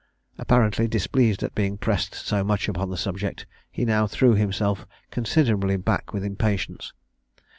Apparently displeased at being pressed so much upon the subject, he now threw himself considerably back with impatience.